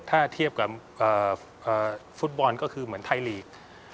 ถ้าเทียบกับฟุตบอลก็คือเหมือนไทยลีก